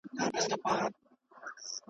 په سجدو به دي په پښو کي زوړ او ځوان وي .